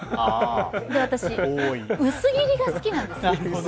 私、薄切りが好きなんですよ。